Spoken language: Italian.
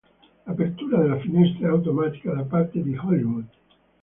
L'apertura della finestra è automatica da parte di Hollywood.